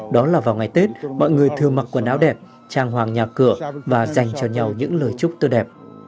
đó là vào ngày tết mọi người thường mặc quần áo đẹp trang hoàng nhà cửa và dành cho nhau những lời chúc tốt đẹp